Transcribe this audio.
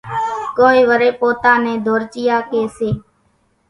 ڪونئين وريَ پوتا نين ڌورچِيئا ڪي سي۔